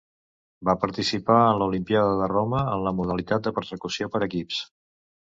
Va participar en l'Olimpíada de Roma en la modalitat de persecució per equips.